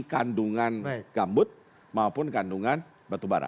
kandungan gambut maupun kandungan batu bara